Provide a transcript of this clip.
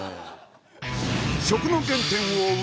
食の原点を追う